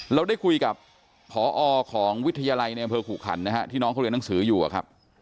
เราได้คุยกับพอของวิทยาลัยในอำเภอขู่ขันนะฮะที่น้องเขาเรียนหนังสืออยู่อะครับ